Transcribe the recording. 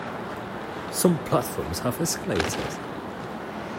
Some platforms have escalators.